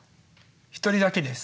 一人だけです。